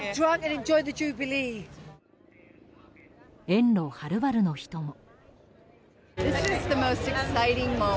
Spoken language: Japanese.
遠路はるばるの人も。